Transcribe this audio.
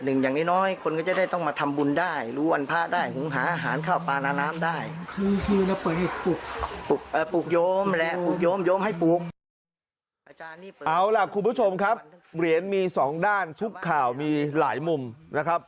เอาล่ะคุณผู้ชมครับเหรียญมีสองด้านทุกข่าวมีหลายมุมนะครับ